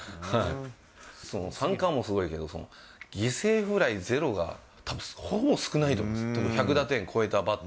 三冠もすごいけど、犠牲フライ０がたぶんほぼ、少ないと思います。